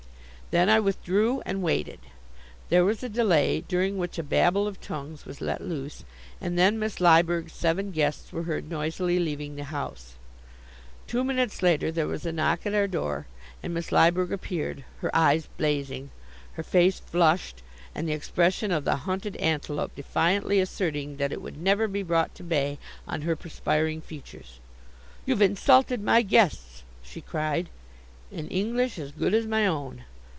Then I withdrew and waited. There was a delay, during which a Babel of tongues was let loose, and then Miss Lyberg's seven guests were heard noisily leaving the house. Two minutes later, there was a knock at our door and Miss Lyberg appeared, her eyes blazing, her face flushed and the expression of the hunted antelope defiantly asserting that it would never be brought to bay, on her perspiring features. "You've insulted my guests!" she cried, in English as good as my own.